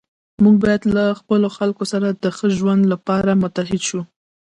موږ باید له خپلو خلکو سره د ښه ژوند لپاره متحد شو.